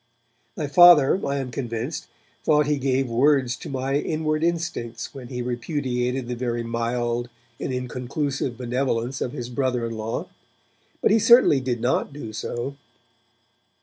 My Father, I am convinced, thought that he gave words to my inward instincts when he repudiated the very mild and inconclusive benevolence of his brother in law. But he certainly did not do so.